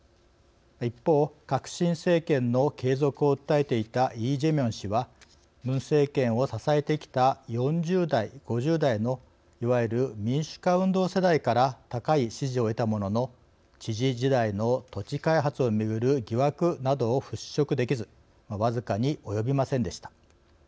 一方革新政権の継続を訴えていたイ・ジェミョン氏はムン政権を支えてきた４０代、５０代のいわゆる民主化運動世代から高い支持を得たものの知事時代の土地開発をめぐる疑惑などを払しょくできずわずかに及びませんでした。